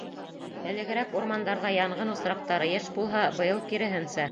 Элегерәк урмандарҙа янғын осраҡтары йыш булһа, быйыл киреһенсә.